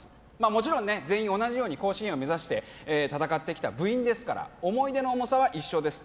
もちろんね全員同じように甲子園を目指して戦ってきた部員ですから思い出の重さは一緒です